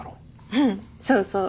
うんそうそう。